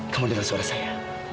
kamu dengar suara saya